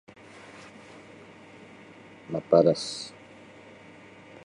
Maparas.